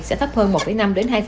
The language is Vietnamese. sẽ thấp hơn một năm hai